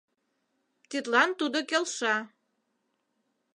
Тидлан тудо келша.